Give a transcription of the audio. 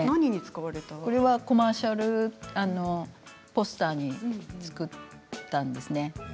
これはコマーシャルのポスターで作ったものです。